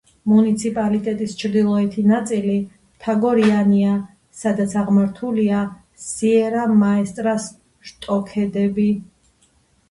მუნიციპალიტეტის ჩრდილოეთი ნაწილი მთაგორიანია, სადაც აღმართულია სიერა-მაესტრას შტოქედები.